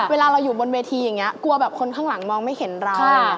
เวลาเราอยู่บนเวทีอย่างนี้กลัวแบบคนข้างหลังมองไม่เห็นเรา